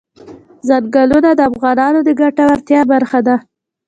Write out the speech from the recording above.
چنګلونه د افغانانو د ګټورتیا برخه ده.